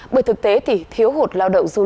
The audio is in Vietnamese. bởi thực tế thì thiếu hụt lao động du lịch